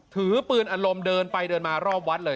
ถือปืนอารมณ์เดินไปเดินมารอบวัดเลย